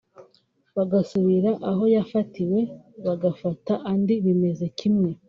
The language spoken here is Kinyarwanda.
bagasubira aho yafatiwe bagafata andi bimeze kimwe